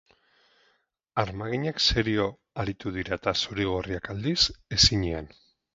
Armaginak serio aritu dira, eta zuri-gorriak, aldiz, ezinean.